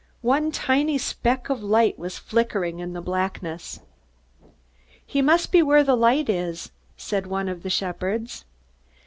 One tiny speck of light was flickering in the blackness. "He must be where the light is," said one of the shepherds.